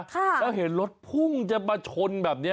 แล้วเห็นรถพุ่งจะมาชนแบบนี้